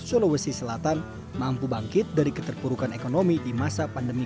sulawesi selatan mampu bangkit dari keterpurukan ekonomi di masa pandemi